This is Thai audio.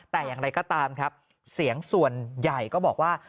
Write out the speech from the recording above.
แต่อย่างไรก็ตามครับเสียงส่วนใหญ่ก็บอกว่า